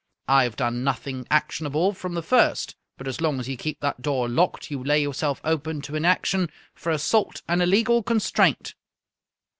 I have done nothing actionable from the first, but as long as you keep that door locked you lay yourself open to an action for assault and illegal con straint."